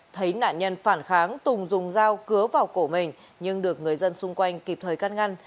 thấy nạn nhân phản kháng tùng dùng dao cứa vào cổ mình nhưng được người dân xung quanh kịp thời cắt ngăn